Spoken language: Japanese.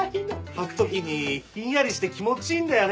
はく時にひんやりして気持ちいいんだよね。